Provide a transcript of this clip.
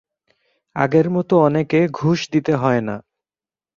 আগের মতো অনেকে ঘুষ দিতে হয় না।